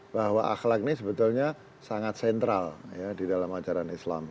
bahwa akhlak ini sebetulnya sangat sentral di dalam ajaran islam